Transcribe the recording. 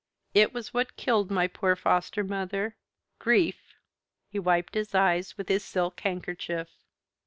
It was what killed my poor foster mother. Grief!" He wiped his eyes with his silk handkerchief.